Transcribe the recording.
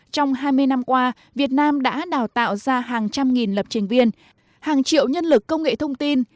trong hai mươi năm qua việt nam đã đào tạo ra hàng trăm nghìn lập trình viên hàng triệu nhân lực công nghệ thông tin